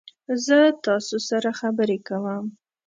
زه تاسو سره خبرې کوم.